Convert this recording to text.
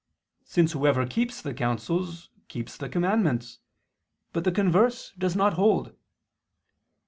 ix], since whoever keeps the counsels keeps the commandments, but the converse does not hold.